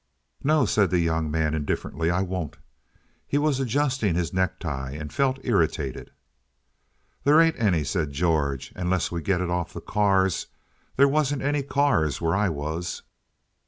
"No," said the young man, indifferently, "I won't." He was adjusting his necktie and felt irritated. "There ain't any," said George, "unless we get it off the cars. There wasn't any cars where I was."